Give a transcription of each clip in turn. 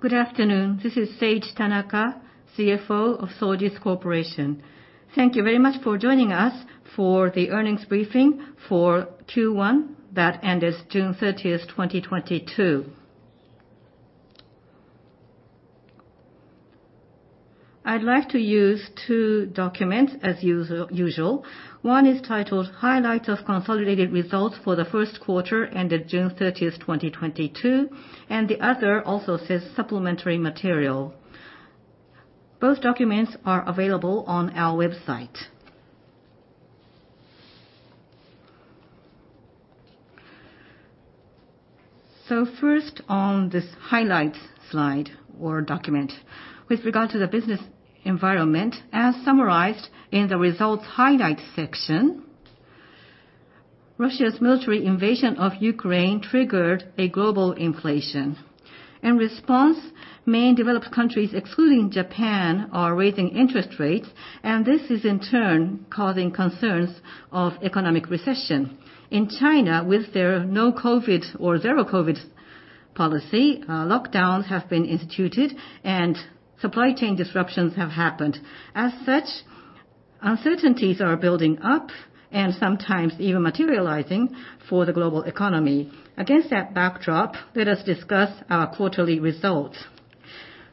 Good afternoon. This is Seiichi Tanaka, CFO of Sojitz Corporation. Thank you very much for joining us for the earnings briefing for Q1 that ended June 30, 2022. I'd like to use two documents as usual. One is titled Highlights of Consolidated Results for the First Quarter ended June 30, 2022, and the other also says Supplementary Material. Both documents are available on our website. First on this highlights slide or document. With regard to the business environment, as summarized in the results highlight section, Russia's military invasion of Ukraine triggered a global inflation. In response, many developed countries, excluding Japan, are raising interest rates, and this is in turn causing concerns of economic recession. In China, with their no-COVID or zero-COVID policy, lockdowns have been instituted and supply chain disruptions have happened. As such, uncertainties are building up and sometimes even materializing for the global economy. Against that backdrop, let us discuss our quarterly results.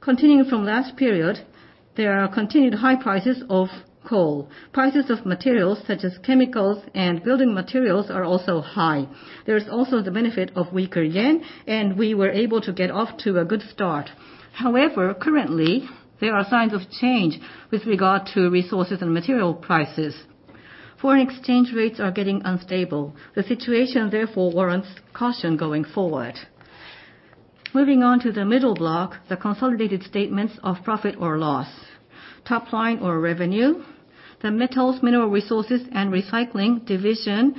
Continuing from last period, there are continued high prices of coal. Prices of materials such as chemicals and building materials are also high. There is also the benefit of weaker yen, and we were able to get off to a good start. However, currently, there are signs of change with regard to resources and material prices. Foreign exchange rates are getting unstable. The situation therefore warrants caution going forward. Moving on to the middle block, the consolidated statements of profit or loss. Top line or revenue. The Metals, Mineral Resources & Recycling Division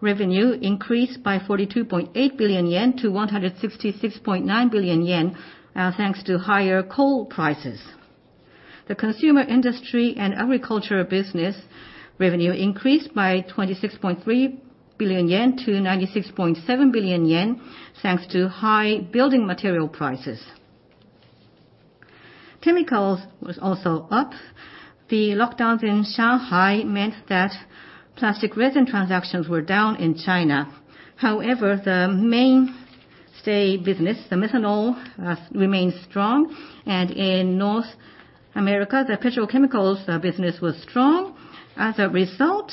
revenue increased by 42.8 billion yen to 166.9 billion yen, thanks to higher coal prices. The Consumer Industry and Agriculture Business revenue increased by 26.3 billion yen to 96.7 billion yen, thanks to high building material prices. Chemicals was also up. The lockdowns in Shanghai meant that plastic resin transactions were down in China. However, the mainstay business, the methanol, remained strong, and in North America, the petrochemicals business was strong. As a result,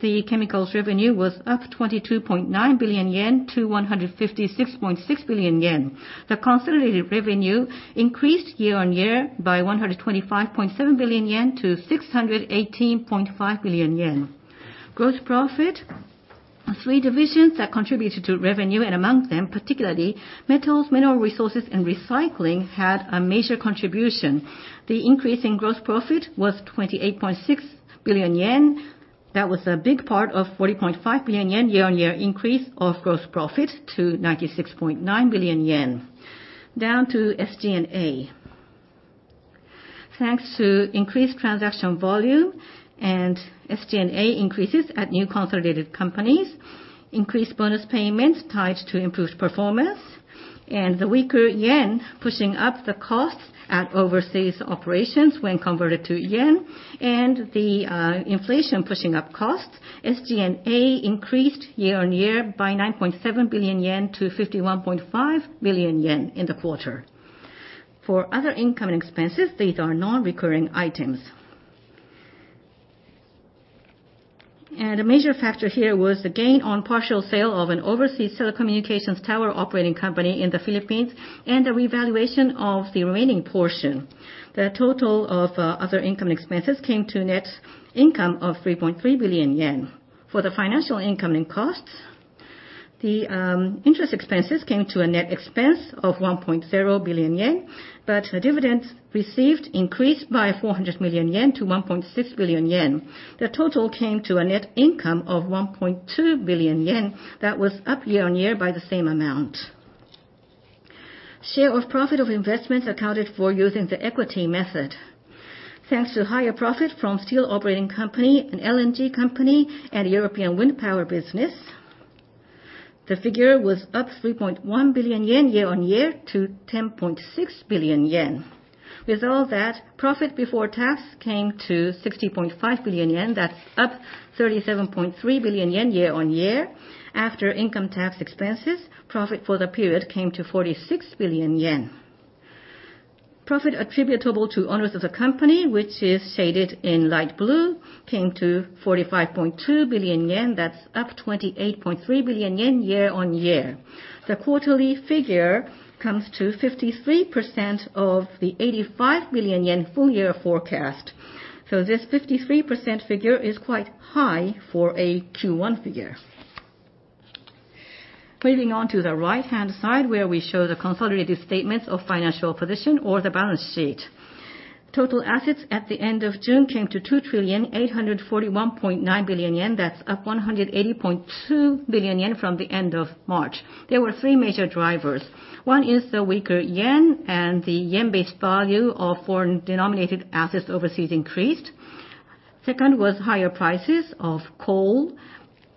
the Chemicals revenue was up 22.9 billion yen to 156.6 billion yen. The consolidated revenue increased year-on-year by 125.7 billion yen to 618.5 billion yen. Gross profit, three divisions that contributed to revenue, and among them, particularly Metals, Mineral Resources, and Recycling had a major contribution. The increase in gross profit was 28.6 billion yen. That was a big part of 40.5 billion yen year-on-year increase of gross profit to 96.9 billion yen. Down to SG&A. Thanks to increased transaction volume and SG&A increases at new consolidated companies, increased bonus payments tied to improved performance, and the weaker yen pushing up the costs at overseas operations when converted to yen, and the inflation pushing up costs, SG&A increased year-on-year by 9.7 billion yen to 51.5 billion yen in the quarter. For other income and expenses, these are non-recurring items. A major factor here was the gain on partial sale of an overseas telecommunications tower operating company in the Philippines and the revaluation of the remaining portion. The total of other income expenses came to net income of 3.3 billion yen. For the financial income and costs, the interest expenses came to a net expense of 1.0 billion yen, but the dividends received increased by 400 million yen to 1.6 billion yen. The total came to a net income of 1.2 billion yen that was up year-on-year by the same amount. Share of profit of investments accounted for using the equity method. Thanks to higher profit from steel operating company, an LNG company, and European wind power business, the figure was up 3.1 billion yen year-on-year to 10.6 billion yen. With all that, profit before tax came to 60.5 billion yen. That's up 37.3 billion yen year-on-year. After income tax expenses, profit for the period came to 46 billion yen. Profit attributable to owners of the company, which is shaded in light blue, came to 45.2 billion yen. That's up 28.3 billion yen year-on-year. The quarterly figure comes to 53% of the 85 billion yen full-year forecast. This 53% figure is quite high for a Q1 figure. Moving on to the right-hand side, where we show the consolidated statements of financial position or the balance sheet. Total assets at the end of June came to 2,841.9 billion yen. That's up 180.2 billion yen from the end of March. There were three major drivers. One is the weaker yen, and the yen-based value of foreign denominated assets overseas increased. Second was higher prices of coal,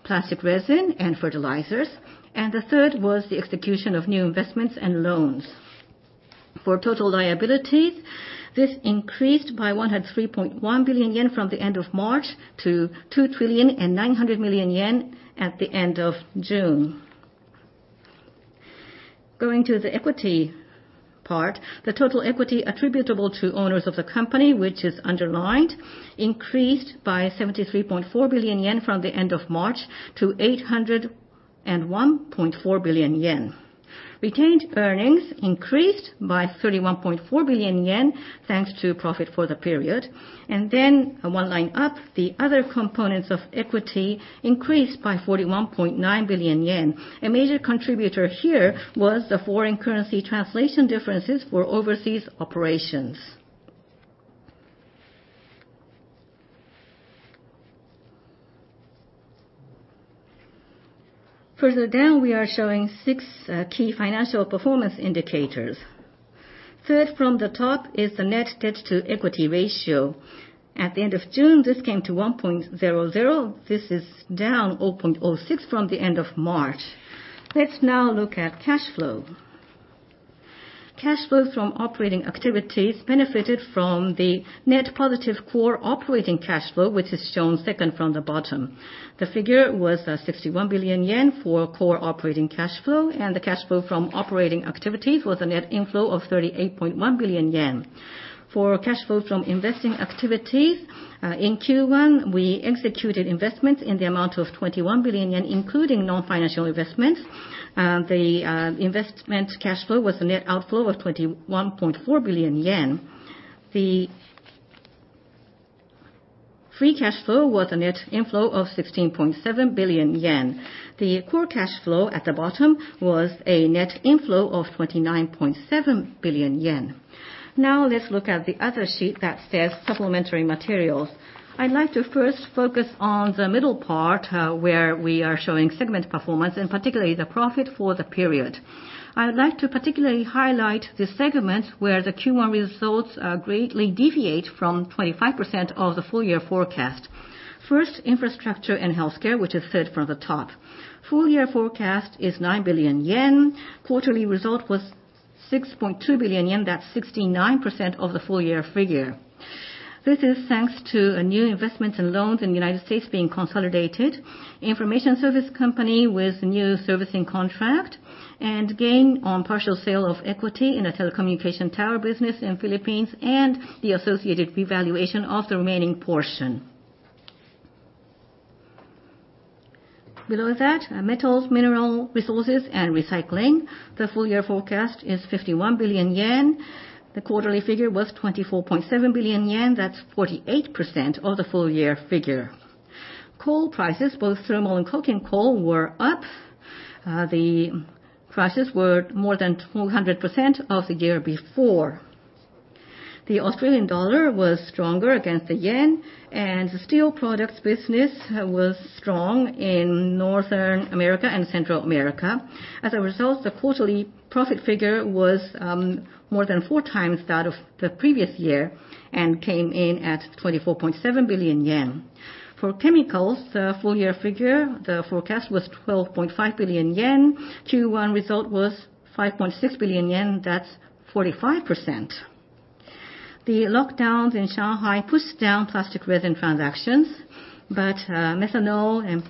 plastic resin, and fertilizers. The third was the execution of new investments and loans. For total liabilities, this increased by 103.1 billion yen from the end of March to 2.9 trillion at the end of June. Going to the equity part, the total equity attributable to owners of the company, which is underlined, increased by 73.4 billion yen from the end of March to 801.4 billion yen. Retained earnings increased by 31.4 billion yen, thanks to profit for the period. Then one line up, the other components of equity increased by 41.9 billion yen. A major contributor here was the foreign currency translation differences for overseas operations. Further down, we are showing six key financial performance indicators. Third from the top is the net debt-to-equity ratio. At the end of June, this came to 1.00. This is down 0.06 from the end of March. Let's now look at cash flow. Cash flow from operating activities benefited from the net positive core operating cash flow, which is shown second from the bottom. The figure was 61 billion yen for core operating cash flow, and the cash flow from operating activities was a net inflow of 38.1 billion yen. For cash flow from investing activities, in Q1, we executed investments in the amount of 21 billion yen, including non-financial investments. The investment cash flow was a net outflow of 21.4 billion yen. The free cash flow was a net inflow of 16.7 billion yen. The core cash flow at the bottom was a net inflow of 29.7 billion yen. Now let's look at the other sheet that says supplementary materials. I'd like to first focus on the middle part, where we are showing segment performance, and particularly the profit for the period. I would like to particularly highlight the segment where the Q1 results greatly deviate from 25% of the full-year forecast. First, Energy Solutions & Healthcare, which is third from the top. Full-year forecast is 9 billion yen. Quarterly result was 6.2 billion yen. That's 69% of the full-year figure. This is thanks to new investments and loans in the United States being consolidated, information service company with new servicing contract, and gain on partial sale of equity in a telecommunication tower business in Philippines, and the associated revaluation of the remaining portion. Below that, Metals, Mineral Resources & Recycling. The full-year forecast is 51 billion yen. The quarterly figure was 24.7 billion yen. That's 48% of the full year figure. Coal prices, both thermal and coking coal, were up. The prices were more than 200% of the year before. The Australian dollar was stronger against the yen, and the steel products business was strong in North America and Central America. As a result, the quarterly profit figure was more than four times that of the previous year and came in at 24.7 billion yen. For Chemicals, the full year figure, the forecast was 12.5 billion yen. Q1 result was 5.6 billion yen, that's 45%. The lockdowns in Shanghai pushed down plastic resin transactions, but methanol and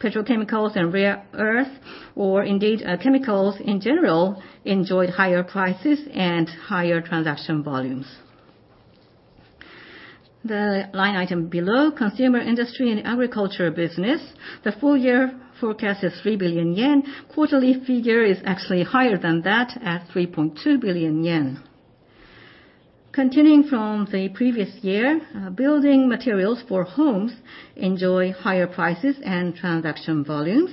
petrochemicals and rare earth, or indeed, chemicals in general, enjoyed higher prices and higher transaction volumes. The line item below, Consumer Industry and Agriculture Business. The full year forecast is 3 billion yen. Quarterly figure is actually higher than that at 3.2 billion yen. Continuing from the previous year, building materials for homes enjoy higher prices and transaction volumes.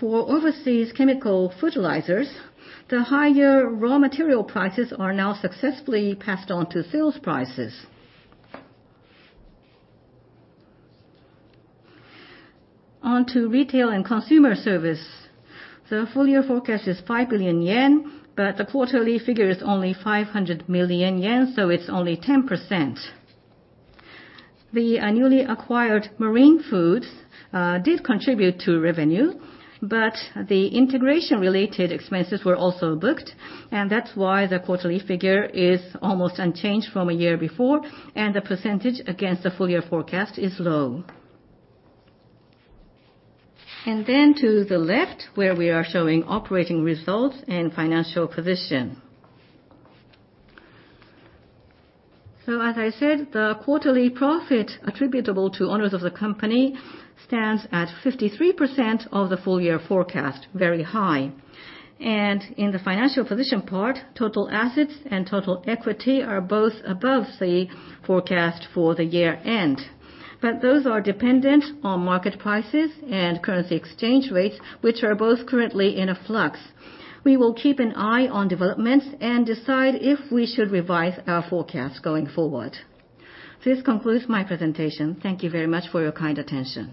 For overseas chemical fertilizers, the higher raw material prices are now successfully passed on to sales prices. On to Retail & Consumer Service. The full-year forecast is 5 billion yen, but the quarterly figure is only 500 million yen, so it's only 10%. The newly acquired Marine Foods did contribute to revenue, but the integration-related expenses were also booked, and that's why the quarterly figure is almost unchanged from a year before, and the percentage against the full-year forecast is low. To the left, where we are showing operating results and financial position. As I said, the quarterly profit attributable to owners of the company stands at 53% of the full year forecast, very high. In the financial position part, total assets and total equity are both above the forecast for the year-end. Those are dependent on market prices and currency exchange rates, which are both currently in a flux. We will keep an eye on developments and decide if we should revise our forecast going forward. This concludes my presentation. Thank you very much for your kind attention.